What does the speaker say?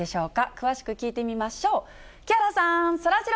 詳しく聞いてみましょう。